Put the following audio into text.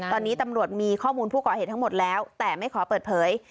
ตอนนี้ตำรวจมีข้อมูลผู้ก่อเหตุทั้งหมดแล้วแต่ไม่ขอเปิดเผย